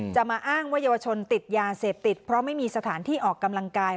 จะมาอ้างว่าเยาวชนติดยาเสพติดเพราะไม่มีสถานที่ออกกำลังกาย